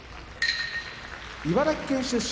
茨城県出身